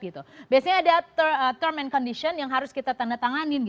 biasanya ada term and condition yang harus kita tandatanganin